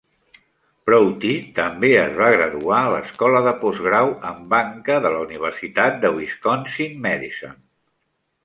Prouty també es va graduar a l'Escola de Postgrau en Banca de la Universitat de Wisconsin-Madison.